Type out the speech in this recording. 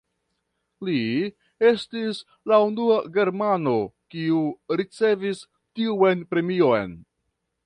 Li estis la unua germano, kiu ricevis tiun premion.